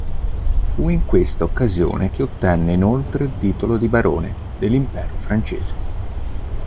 Fu in questa occasione che ottenne inoltre il titolo di Barone dell'Impero francese.